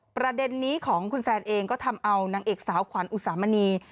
ประเด็นนี้ของคุณแซนเองก็ทำเอานางเอกสาวขวัญอุสามณี